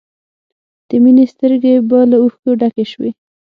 د مینې سترګې به له اوښکو ډکې شوې